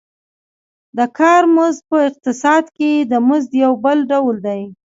د کار مزد په اقتصاد کې د مزد یو بل ډول دی